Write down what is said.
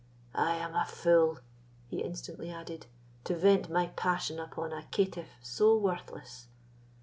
"I am a fool," he instantly added, "to vent my passion upon a caitiff so worthless."